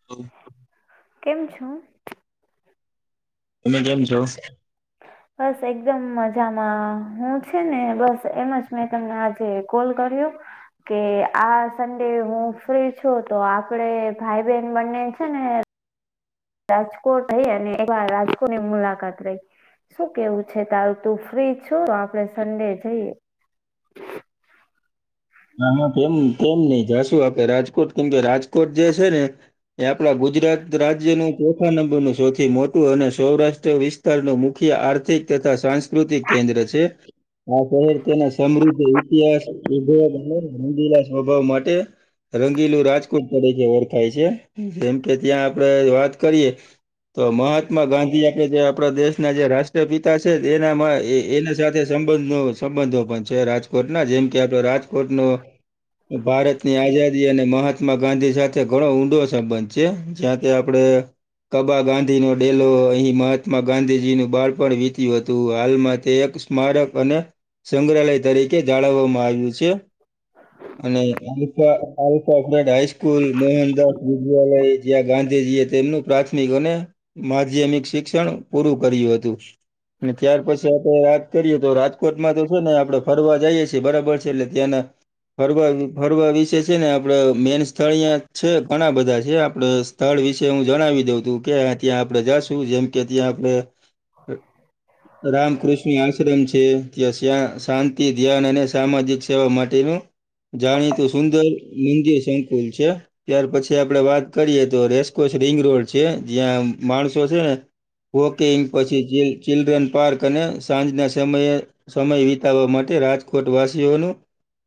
[unintelligible] કેમ છો? તમે કેમ છો? બસ એકદમ મજામાં, હું છે ને બસ એમ જ મેં તમને આજે કોલ કર્યો. કે આ સન્ડે હું ફ્રી છું તો આપણે ભાઈ-બહેન બંને છે ને રાજકોટ ગઈ અને એકવાર રાજકોટની મુલાકાત લઇ. શું કેવું છે તારું, તું ફ્રી છું તો આપણે સન્ડે જઈએ? [inaudible] હા, હા કેમ કેમ નહી જાશું આપડે રાજકોટ કેમ કે રાજકોટ જે છે ને એ આપણા ગુજરાત રાજ્યનું ચોથા નંબરનું સૌથી મોટું અને સૌરાષ્ટ્ર વિસ્ત તારનું મુખ્ય આર્થિક તથા સાંસ્કૃતિક કેન્દ્ર છે. આ શહેર તેના સમૃદ્ધ ઇતિહાસ ઉદભવ અને રંગીલા સ્વભાવ માટે રંગીલું રાજકોટ તરીકે ઓળખાય છે જેમ કે ત્યાં આપણે વાત કરીએ તો મહાત્મા ગાંધી આપણે જે આપણા દેશના જે રાષ્ટ્રપિતા છે એના મા એ એના સાથે સંબંધો સંબંધો પણ છે રાજકોટના જેમ કે આપણે રાજકોટ નો ભારતની આઝાદી અને મહાત્મા ગાંધી સાથે ઘણો ઊંડો સંબંધ છે. ત્યાંથી આપડે કબા ગાંધીનો ડેલો અહીં મહાત્મા ગાંધીજીનું બાળપણ વીત્યું હતું. હાલમાં તે એક સ્મારક અને સંગ્રહાલય તરીકે જાળવવામાં આવ્યું છે. અને alpha alpha grade high school Mohandas વિદ્યાલય જ્યાં ગાંધીજી એ તેમનું પ્રાથમિક અને માધ્યમિક શિક્ષણ પૂરું કર્યું હતું. અને ત્યાર પછી આપણે વાત કરીએ તો રાજકોટમાં તો છે, ને આપણે ફરવા જાઈએ છીએ બરાબર છે, એટલે ત્યાંના [unintelligible] ફરવા ફરવા વિશે છે ને આપણે મેન સ્થળ અહીંયા છે, ઘણા બધા છે આપણે સ્થળ વિશે હું જણાવી દઉં તું કે ત્યાં આપણે જાશું જેમ કે ત્યાં આપણે રામકૃષ્ણ આશ્રમ છ છે. ત્યા શ્યા શાંતિ ધ્યાન અને સામાજિક સેવા માટેનું જાણીતો સુંદર મંદિર સંકુલ છે. ત્યાર પછી આપડે વાત કરીએ તો રેસકોસ રિંગ રોડ છે જ્યાં માણસો છે, ને વોકેંગ પછી ગીલ ચિલ્ડ્રન પાર્ક અને સાંજના સમયે સમય વિતાવવા માટે રાજકોટ વાસીઓનું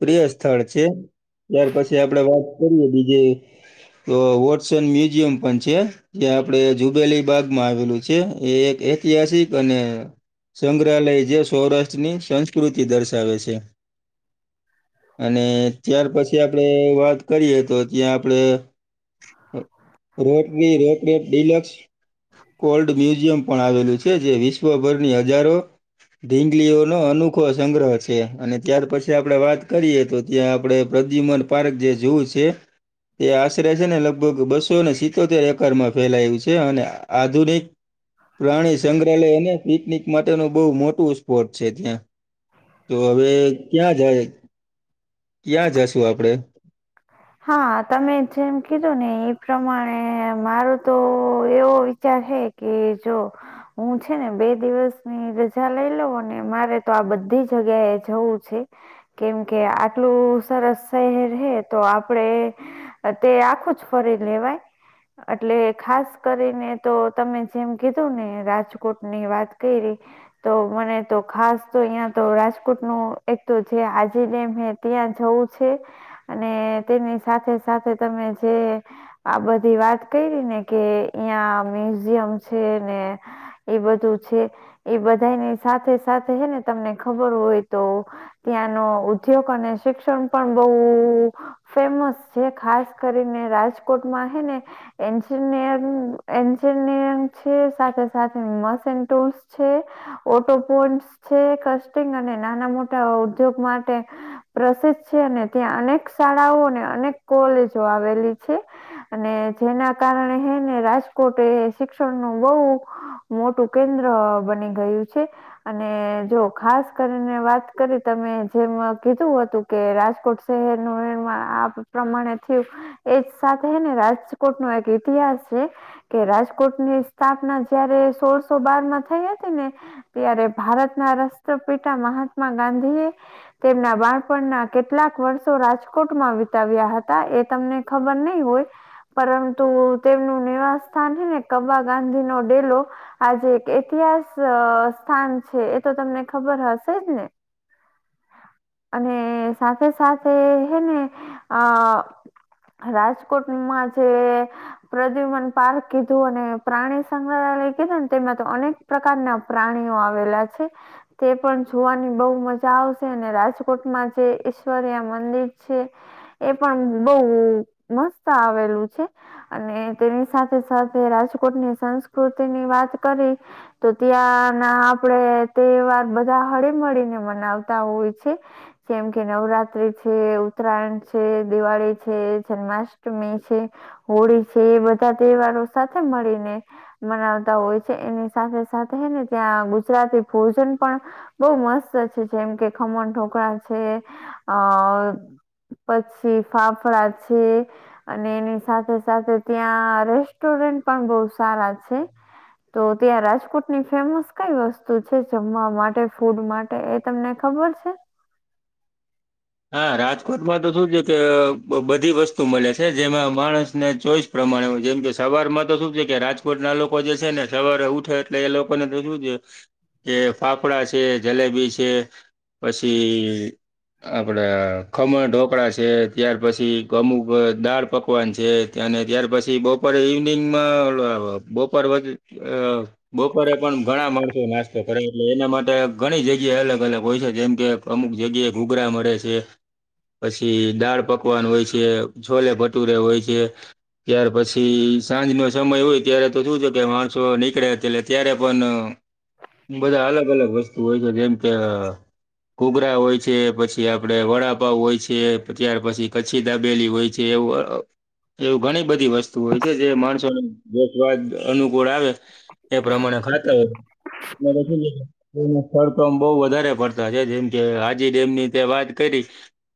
પ્રિય સ્થળ છે ત્યાર પછી આપડે વાત કરીએ બીજે તેઓ વોટસન મ્યુઝિયમ પણ છે. જે આપડે જુબેલી બાાગ માં આવેલું છે એ એક ઐતિહાસિક અને સંગ્રહાલય જે સૌરાષ્ટ્રની સંસ્કૃતિ દર્શાવે છે. અને ત્યાર પછી આપડે વાત કરીએ તો ત્યાં આપડે રોટની રોકટ ડિલક્સ. કોલ્ડ મ્યુઝિયમ પણ આવેલું છે જે વિશ્વભરની હજારો ઢીંગલીઓ નો અનોખો સંગ્રહ છે અને ત્યાર પછ ત્યાં આપડે વાત કરીએ તો ત્યાં આપણે પ્રદ્યુમન પાર્ક જે જોવું છે. તે આશરે છે ને લગભગ બસોને સિત્તોતેર એકર માં ફેલાયું છે અને આધુનિક પ્રાણી સંગ્રહાલય અને પિકનિક માટેનું બહુ મોટું સ્પોટ છે ત્યાં. તો હવે ક્યાં જાય ક્યાં જશુ આપડે. હા તમે જેમ કીધું ને એ પ્રમાણે મારો તો એવો વિચાર હે કે જો હું છે ને બે દિવસની રજા લઈ લઉ ને મારે તો આ બધી જગ્યાએ જવું છે. કેમ કે આટલું સરસ શહેર હે તો આપ પડે હ તે આખું જ ફરી લેવાય. અટલે ખાસ કરીને તો તમે જેમ કીધું ને રાજકોટ ની વાત કરી તો મને તો ખાસ તો અહિયાં તો રાજકોટ નું એક તો જે આજી ડેમ હે ત્યાં જવું છે અને તેની સાથે સાથે તમે જે આ બધી વાત કરી ને કે અહીંયા મ્યુઝિયમ છે ને એ બધું છે એ બધાની સાથે સાથે હે ને તમને ખબર હોય તો ત્યાંનો ઉદ્યોગ અને શિક્ષણ પણ બઉ ફેમસ છે. ખાસ કરીને રાજકોટમાં હ ને એન્જિનિયરંગ એન્જિનિયરિંગ છે, સાથે સાથે મશીન ટૂલ છે, ઓટો પોન્ટ છે, કસ્ટિંગ અને નાના મોટા ઉદ્યોગ માટે પ્રસિદ્ધ છે. અને ત્યાં અનેક શાળાઓ અને અનેક કોલેજો આવેલી છે. અને જેના કારણે હેને રાજકોટ શિક્ષણનું બહુ મોટું કેન્દ્ર બની ગયું છે. અને જો ખાસ કરીને વાત કરી તમે જેમ કીધું હતું કે રાજકોટ શહેરનું ને આ પ્રમાણે થયું એજ સાથે ને રાજકોટ નો એક ઇતિહાસ છે. કે રાજકોટની સ્થાપના જયારે સોળસો બારમાં થઈ હતી ને. ત્યારે ભારતના રાષ્ટ્રપિતા મહાત્મા ગાંધી એ તેમના બાળપણના કેટલાક વર્ષો રાજ કોટમાં વિતાવ્યા હતા. એ તમને ખબર નહીં હોય. પરંતુ તેમનું નિવાસ સ્થાન હે ને કબા ગાંધી નો ડેલો આજે એક ઇતિહાસ સ્થાન છે. એતો તમને ખબર હશે જ ને? અને સાથે સાથે હે ને અ રાજકોટ માં જે પ્રદ્યુમન પાર્ક કીધું અને પ્રાણી સંગ્રહાલય કીધું ને તેમાં તો અનેક પ્રકારના પ્રાણીઓ આવેલા છે. તે પણ જોવાની બહુ મજા આવશે, અને રાજકોટમાં જે ઈશ્વર્યા મંદિર છે, એ પણ બહુ મસ્ત આવેલું છે. અને તેની સાથે સાથે રાજકોટની સંસ્કૃતિની વાત કરી. તો ત્યાંના આપડે તહેવાર બધા હળીમળીને મનાવતા હોય છે. જેમ કે નવરાત્રી છે. ઉત્તરાયણ છે, દિવાળી છે, જન્માષ્ટમી છે. હોળી છે એ બધા તહેવારો સાથે મળીને મનાવતા હોય છે. એની સાથે સાથે હેને ત્યાં ગુજરાતી ભોજન પણ બહુ મસ્ત છે. જેમ કે ખમણ ઢોકળા છે, અ પછી ફાફડા છે. અને એની સાથે સાથે ત્યાં રેસ્ટોરન્ટ પણ બહુ સારા છે. તો ત્યાં રાજકોટની ફેમસ કઈ વસ્તુ છે, જમવા માટે ફૂડ માટ ટે એ તમને ખબર છે? હા રાજકોટમાં તો શું છે કે બધી વસ્તુ મળે છે, જેમાં માણસને ચોઈસ પ્રમાણે હોય. જેમ કે સવારમાં તો શું છે કે રાજકોટના લોકો જે છે ને સવારે ઉઠે એટલે એ લોકોને તો શું છે. એ ફાફડા છે, જલેબી છે. પછી આપડે ખમણ ઢોકળા છે, ત્યાર પછી અમુક દાળ પકવાન છે. અને ત્યાર પછી બપોરે ઇવનિંગમાં બપોર વે બપોરે પણ ઘણા માણસો નાસ્તો કરે. એટલે એના માટે ઘણી જગ્યાએ અલગ અલગ હોય છે જેમ કે અમુક જગ્યાએ ઘૂઘરા મળે છે. પછી દાળ પકવાન હોય છે, છોલે ભટુરે હોય છે. ત્યાર પછી સાંજ નો સમય હોય ત્યારે તો શું છે કે માણસો નીકળ્યા એટલે ત્યારે પણ બધા અલગ અલગ વસ્તુ હોય છે. જેમ કે ઘૂઘરા હોય. છે, પછી આપડે વડાપાવ હોય છે, ત્યાર પછી કચ્છી દાબેલી હોય છે, એવું એવું ઘણી બધી વસ્તુ હોય છે. જે માણસોને જે સ્વાદ અનુકૂળ આવે એ પ્રમાણે ખાતા હોય. [inaudible] એ સ્થળ તો આમ બહ વધારે પડતા છે. જેમ કે હાજી ડેમની તે વાત કરી.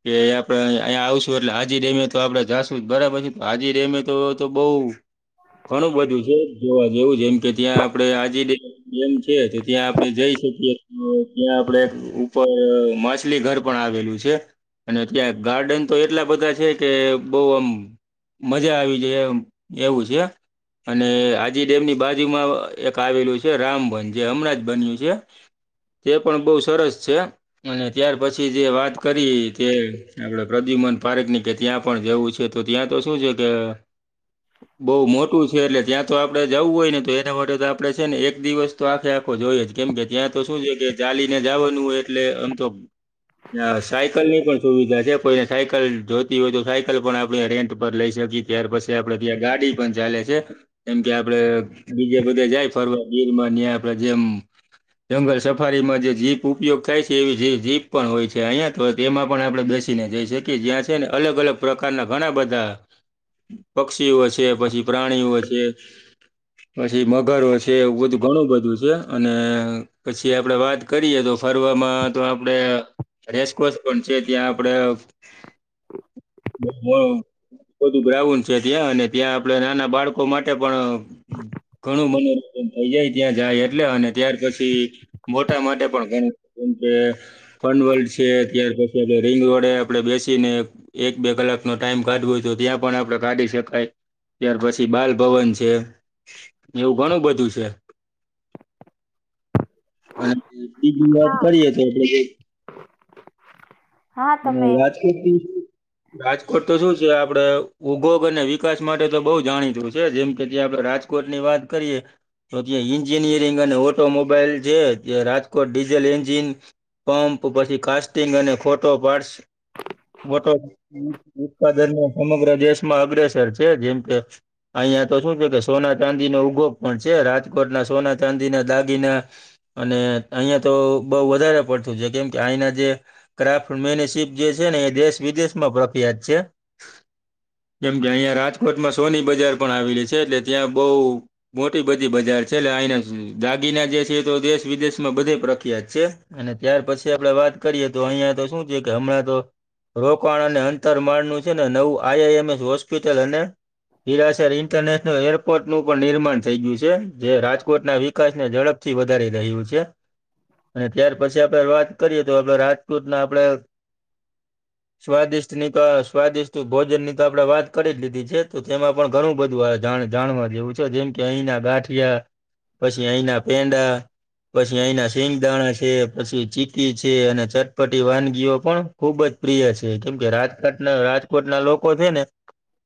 કે આપડે અહીંયા આવશું એટલે હાજી ડેમે તો આપડે જાશું જ બરાબર છે. હાજી ડેમે તો તો બહુ ઘણું બધું છે જોવા જેવું. જેમ કે ત્યાં આપડે હાજી ડે ડેમ છે તો ત્યાં આપણે જઈ શકીએ ત્યાં આપડે ઉપર મા છલી ઘર પણ આવેલું છે. અને ત્યાં ગાર્ડન તો એટલા બધા છે કે બહુ આમ મજા આવી જાય એમ એવું છે. અને આજી ડેમની બાજુમાં એક આવેલું છે રામબન. જે હમણાં જ બન્યું છે. તે પણ બહુ સરસ છે. અને ત્યાર પછી જે વાત કરી તે આપણે પ્રદ્યુમન પારકની કે ત્યાં પણ જવું છે. તો ત્યાં તો શું છે કે બહુ મોટું છે. એટલે ત્યાં તો આપડે જવું હોય ને તો એના માટે તો આપડે છે ને એક દિવસ તો આખેઆ ખો જોય જ કેમ કે ત્યાં તો શું છે કે ચાલીને જવાનું હોય એટલે આમ તો નયા સાયકલ ની પણ સુવિધા છે કોઈને સાયકલ જોતી હોય તો સાયકલ પણ આપણે રેન્ટ ઉપર લઈ શકી. ત્યાર પછી આપડે ત્યાં ગાડી પણ ચાલે છે. એમ કે આપડે બીજે બધે જાય ફરવા ગીરમાં આપડે જેમ જંગલ સફારીમાં જે જીપ ઉપયોગ થાય છે એવી જીપ પણ હોય છે. અહીંયા તો તેમાં પણ આપણે બેસીને જઈ શકીએ. જ્યાં છે ને અલગ અલગ પ્રકારના ઘણા બધા પક્ષીઓ છે, પછી પ્રાણીઓ છે. પછી મગરો છે, એવું બધું ઘણું બધું છે. અને પછી આપણે વાત કરીએ તો ફરવામાં તો આપડે રેસકોસ પણ છે. ત્યાં આપડે બ હહ. બધું ગ્રાઉન્ડ છે ત્યાં અને ત્યાં આપડે નાના બાળકો માટે પણ ઘણું મનોરંજન થઇ જાય ત્યાં જાય એટલે અને ત્યાર પછી મોટા માટે પણ ઘણી જેમ કે ફન વલ્ડ છે, ત્યાર પછી રિંગ રોડે આપડે બેસીને એક બે કલાકનો ટાઈમ કાઢવો હોય તો ત્યાં પણ આપણે કાઢી શકાય. ત્યાર પછી બાલભવન છે. એવું ઘણું બધું છે. અને બીજી વાત હા કરીએ તો આપણે હા અને તમે રાજકીટથી શું રાજકોટ તો શું છે આપડે ઉગોગ અને વિકાસ માટે તો બહુ જાણીતું છે. જેમ કે ત્યાં આપડે રાજ કોર્ટની વાત કરીએ. તો ત્યાં એન્જિનિયરિંગ અને ઓટોમોબાઈલ છે ત રાજકોટ ડીઝલ એન્જિન પંપ પછી કાસ્ટિંગ અને ફોટો પારસ. ફોટો તો ઉત્પાદન સમગ્ર દેશમાં અગ્રેસર છે. જેમ કે અહિયાં તો શું છે કે સોના ચાંદીનો ઉગો પણ છે. રાજકોટના સોના ચાંદીના દાગીના અને અહિયાં તો બહુ વધારે પડતું છે. કેમ કે અહીંના જે ક્રાફ્ટ મેન શીપ જે છે ને એ દેશ વિદેશમાં પ્રખ્યાત છે. જેમ કે અહિયાં રાજકોટમાં સોની બજાર પણ આવેલી છે એટલે ત્યાં બહુ મોટી બધી બજાર છે. એટલે અહીના દાગીના જે છે એ તો દેશ વિદેશમાં બધે પ્રખ્યાત છે. અને ત્યાર પછી આપડે વાત કરીએ તો અહિયાં તો શું છે કે હમણાં તો રોકાણ અને અંતર માળનું છે ને નવું આઈઆઈ એમ એસ હોસ્પિટલ અને હિરાસર ઇન્ટરનેટ એરપોર્ટ નું પણ નિર્માણ થઈ ગયું છે. જે રાજકોટના વિકાસ ને ઝડપથી વધારી રહ્યું છે. અને ત્યાર પછી આપણે વાત કરીએ તો આપણે રાજપૂતના આપણે સ્વાદિષ્ટ ની તો સ્વાદિષ્ટ ભોજનની તો આપડે વાત કરી લીધી છે તો તેમાં પણ ઘણું બધું આ જાણવા જેવું છે. જેમ કે અહીંના ગાંઠિયા પછી અહીના પેંડા, પછી અહીના સિંગદાણા છે, પછી ચી ચકી છે અને ચટપટી વાનગીઓ પણ ખુબ જ પ્રિય છે. કેમ કે રાજઘાટના રાજ કોટ ના લોકો છે ને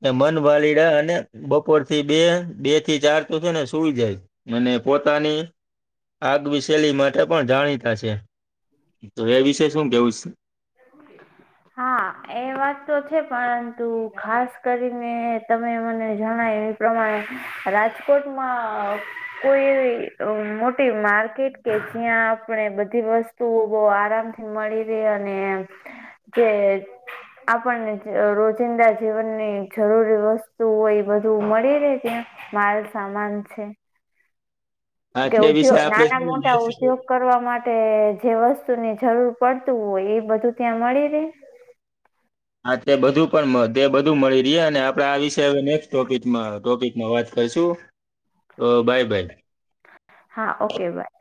એ મન ભલીડા અને બપોર થી બે બે થી ચાર તો છે ને સુઈ જાય. અને પોતાની આગ વિસેલી માટે પણ જાણીતા છે. તો એ વશે શું કેવું સ. હા એ વાત તો છે પરંતુ ખાસ કરીને તમે મને જણાય પ્રમાણે રાજકોટમાં કોઈ એવી મોટી માર્કેટ કે જ્યાં આપણે બધી વસ્તુઓ બહુ આરામથી મળી રે અને કે આપણને રોજિંદા જીવનની જરૂરી વસ્તુ હોય બધું મળી રે ત્યાં. માલ સામાન છે હા કે તે વિશે ઉદ્યો આપડે છે નાના ને મોટા ઉદ્યોગ કરવા માટે ટે જે વસ્તુની જરૂર પડતું હોય એ બધું ત્યાં મળી રહેે. હા તે બધું પણ મ તે બધું મળી રયે અને આપડે આ વિશે હવે નેક્સ્ટ ટોપિકમા ટોપિક મા વાત કરશું તો બાય બાય. હા ઓકે બાય.